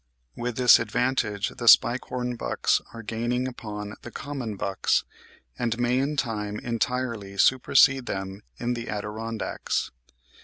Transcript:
With this advantage the spike horn bucks are gaining upon the common bucks, and may, in time, entirely supersede them in the Adirondacks.